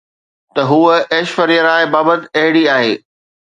ته هوءَ ايشوريا راءِ بابت اهڙي آهي